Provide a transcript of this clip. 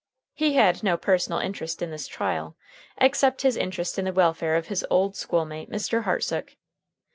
He had no personal interest in this trial, except his interest in the welfare of his old schoolmate, Mr. Hartsook.